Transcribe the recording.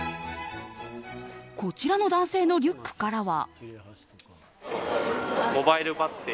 こちらの男性のリュックからは。